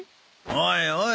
おいおい。